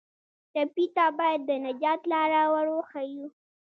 ټپي ته باید د نجات لاره ور وښیو.